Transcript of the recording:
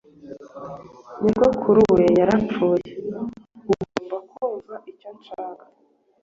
nyogokuru we yarayapfuye agomba kumva icyo nshaka